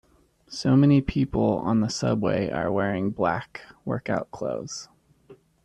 So many people on the subway are wearing black workout clothes.